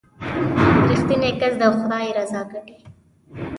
• رښتینی کس د خدای رضا ګټي.